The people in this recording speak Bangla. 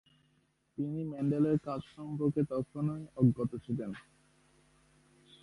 তিনি মেন্ডেলের কাজ সম্পর্কে তখনও অজ্ঞাত ছিলেন।